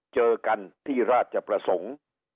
เจอกันที่ราชประสงค์